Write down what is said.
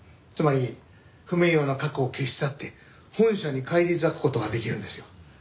つまり不名誉な過去を消し去って本社に返り咲く事ができるんですよ。